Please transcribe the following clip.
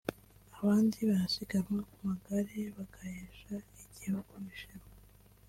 abandi barasiganwa ku magare bagahesha igihugu ishema